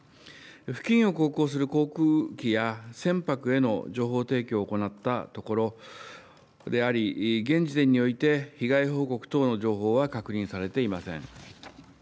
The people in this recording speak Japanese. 付近を航行する航空機や船舶への情報提供を行ったところであり、現時点において被害報告等の情報は確認されていません。